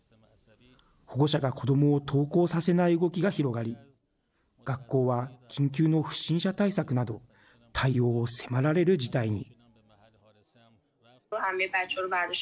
保護者が子どもを登校させない動きが広がり学校は緊急の不審者対策など対応を迫られる事態に。